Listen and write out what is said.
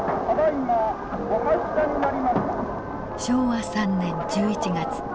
昭和３年１１月。